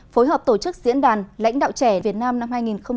phối hợp tổ chức diễn đàn lãnh đạo trẻ việt nam năm hai nghìn một mươi chín